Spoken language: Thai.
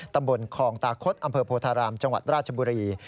ตำบลคลองตาคดอำเภอโพธารามจังหวัดราชบุรี